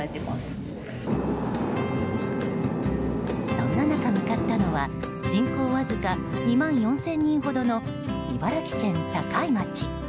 そんな中、向かったのは人口わずか２万４０００人ほどの茨城県境町。